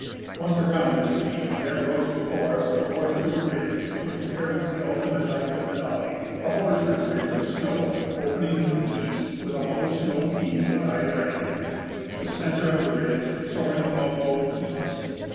Once around this peak, there rose before us the horseshoe ridge which carries the ultimate height of Denali, a horseshoe ridge of snow opening to the east with a low snow peak at either end, the centre of the ridge soaring above both peaks.